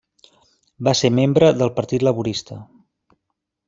Va ser membre del Partit Laborista.